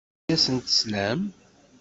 Anda ay asent-teslam?